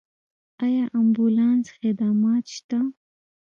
آیا امبولانس خدمات شته؟